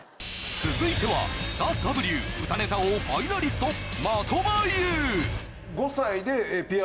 続いては「ＴＨＥＷ」「歌ネタ王」ファイナリストまとばゆう